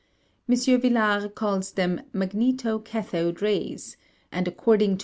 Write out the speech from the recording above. M. Villard calls them magneto cathode rays, and according to M.